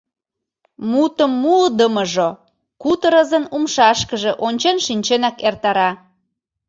Мутым муыдымыжо кутырызын умшашкыже ончен шинченак эртара.